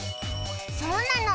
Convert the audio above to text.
そうなの。